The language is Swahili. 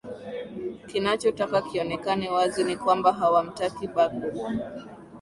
kinachotaka kionekane wazi ni kwamba hawamtaki bagbo